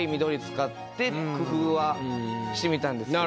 工夫はしてみたんですけど。